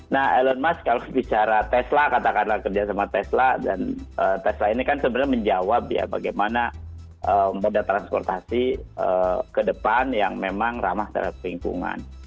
nah elon musk kalau bicara tesla katakanlah kerjasama tesla dan tesla ini kan sebenarnya menjawab ya bagaimana moda transportasi ke depan yang memang ramah terhadap lingkungan